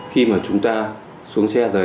khi mà chúng ta xuống xe ô tô